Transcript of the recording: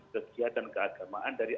kegiatan keagamaan dari